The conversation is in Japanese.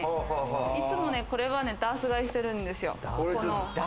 いつもこれはダース買いしてるんですよ。